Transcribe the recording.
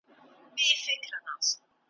د يوسف عليه السلام وروڼه حاسدان وه.